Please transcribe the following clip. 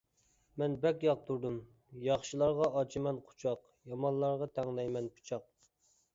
مەن بەك ياقتۇردۇم. ياخشىلارغا ئاچىمەن قۇچاق، يامانلارغا تەڭلەيمەن پىچاق.